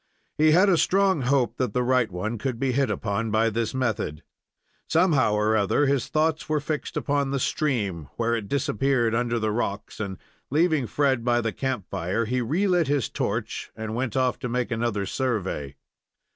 He had a strong hope that the right one could be hit upon by this method. Somehow or other, his thoughts were fixed upon the stream, where it disappeared under the rocks, and, leaving Fred by the camp fire, he relit his torch and went off to make another survey.